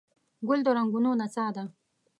ګل د رنګونو نڅا ده.